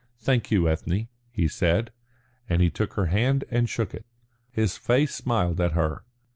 "Thank you, Ethne," he said, and he took her hand and shook it. His face smiled at her.